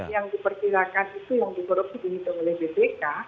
yang diperkirakan itu yang dikorupsi dihitung oleh bpk